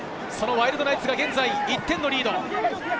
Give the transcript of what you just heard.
ワイルドナイツが現在１点のリード。